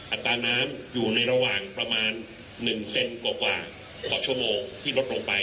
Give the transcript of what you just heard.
ตาน้ำอยู่ในระหว่างประมาณ๑เซนกว่าต่อชั่วโมงที่ลดลงไป